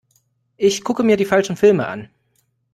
Ich gucke mir die falschen Filme an.